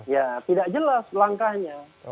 ya tidak jelas langkahnya